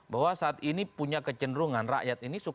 bahwa saat ini punya kecenderungan rakyat ini